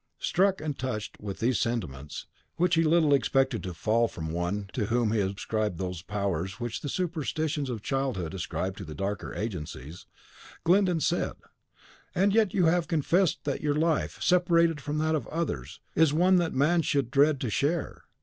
'" Struck and touched with these sentiments, which he little expected to fall from one to whom he ascribed those powers which the superstitions of childhood ascribe to the darker agencies, Glyndon said: "And yet you have confessed that your life, separated from that of others, is one that man should dread to share.